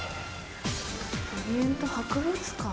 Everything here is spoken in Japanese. オリエント博物館？